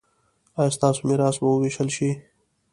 ایا ستاسو میراث به ویشل شي؟